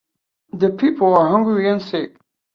The people are hungry and sick.